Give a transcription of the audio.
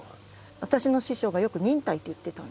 私の師匠がよく忍耐って言ってたんですね。